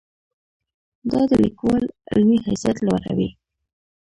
دا د لیکوال علمي حیثیت لوړوي.